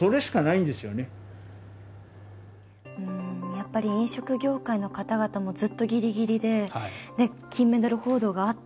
やっぱり飲食業界の方々もずっとギリギリで金メダル報道があった